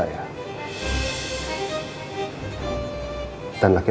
dan laki itu adalah roy